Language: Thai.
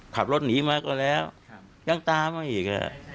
ขับรถหนีมาก็แล้วยังตามมาอีก